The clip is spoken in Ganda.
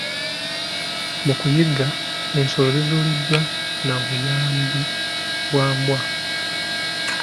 Mu kuyigga, ensolo ezuulibwa na buyambi bwa mbwa.